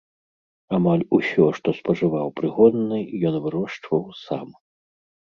Амаль усё, што спажываў прыгонны, ён вырошчваў сам.